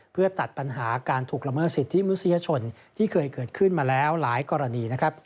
เพื่อตัดปัญหาการถูกละเมิดสิทธิมนุษยชนที่เคยเกิดขึ้นมาแล้วหลายกรณีนะครับ